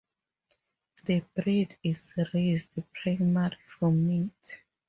This breed is raised primarily for meat.